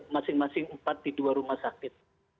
masing masing empat di dua rumah sakit